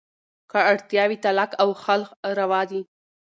که اړتیا وي، طلاق او خلع روا دي.